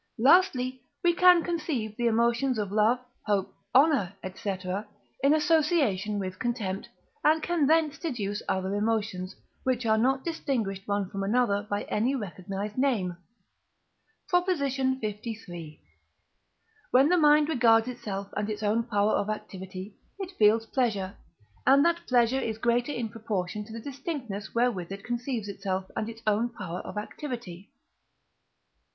Lastly, we can conceive the emotions of love, hope, honour, &c., in association with contempt, and can thence deduce other emotions, which are not distinguished one from another by any recognized name. PROP. LIII. When the mind regards itself and its own power of activity, it feels pleasure: and that pleasure is greater in proportion to the distinctness wherewith it conceives itself and its own power of activity.